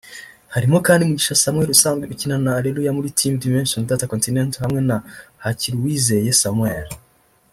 Harimo kandi Mugisha Samuel usanzwe ukinana na Areruya muri Team Dimension Data Continental hamwe na Hakiruwizeye Samuel